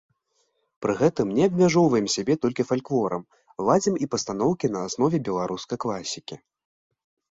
Пры гэтым не абмяжоўваем сябе толькі фальклорам, ладзім і пастаноўкі на аснове беларускай класікі.